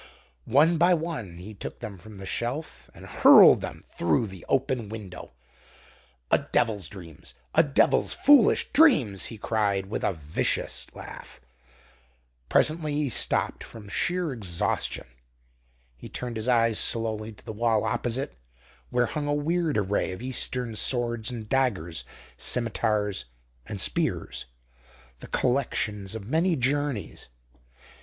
One by one he took them from the shelf and hurled them through the open window. "A devil's dreams! A devil's foolish dreams!" he cried, with a vicious laugh. Presently he stopped from sheer exhaustion. He turned his eyes slowly to the wall opposite, where hung a weird array of Eastern swords and daggers, scimitars and spears, the collections of many journeys.